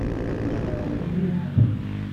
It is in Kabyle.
D acu ara d-yini ḥedd?